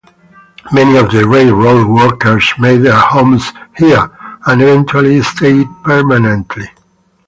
Many of the railroad workers made their homes here and eventually stayed permanently.